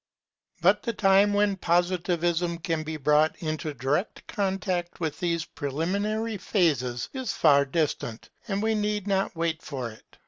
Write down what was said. Perfection of the Positivist ideal] But the time when Positivism can be brought into direct contact with these preliminary phases is far distant, and we need not wait for it.